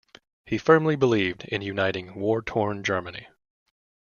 He firmly believed in uniting war torn Germany.